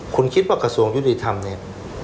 คุณคิดว่ากระทรวงยุติธรรมเนี่ย